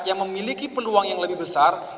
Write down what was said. yang memiliki peluang yang lebih besar